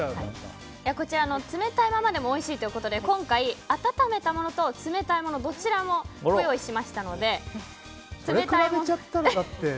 こちら冷たいままでもおいしいということで今回、温めたものと冷たいものどちらもご用意しましたので。